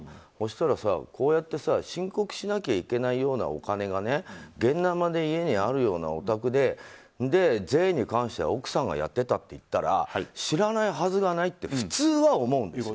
そしたら申告しなきゃいけないお金が現ナマで家にあるようなお宅で税に関しては奥さんがやってたって言ったら知らないはずがないって普通は思うんですよ。